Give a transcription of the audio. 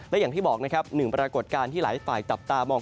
อย่างที่บอก๑ปรากฏการณ์ที่หลายฝ่ายตับตามอง